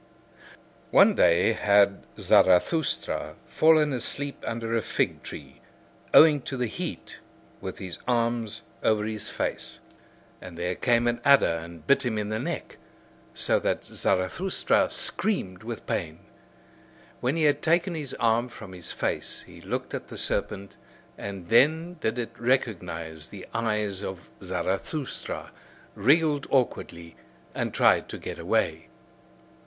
One day had Zarathustra fallen asleep under a fig tree, owing to the heat, with his arms over his face. And there came an adder and bit him in the neck, so that Zarathustra screamed with pain. When he had taken his arm from his face he looked at the serpent; and then did it recognise the eyes of Zarathustra, wriggled awkwardly, and tried to get away.